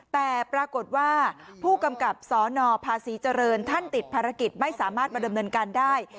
แต่ปรากฏว่าผู้กำกับสนภาษีเจริญท่านติดภารกิจไม่สามารถมาดำเนินการได้